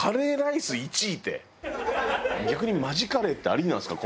逆にマジカレーってありなんですか？